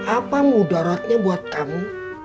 apa mudaratnya buat kamu